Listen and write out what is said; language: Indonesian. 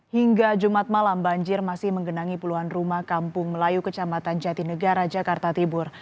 hingga jumat malam banjir masih menggenangi puluhan rumah kampung melayu kecamatan jatinegara jakarta tibur